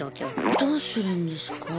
どうするんですか？